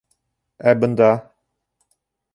Ә бында!..